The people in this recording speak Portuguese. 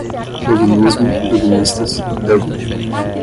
Duginismo, duginistas, Dugin